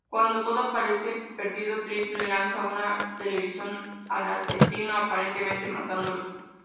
Cuando todo parece perdido, Trish le lanza una televisión al asesino, aparentemente matándolo.